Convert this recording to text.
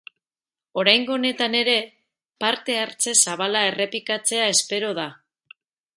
Oraingo honetan ere parte hartze zabala errepikatzea espero da.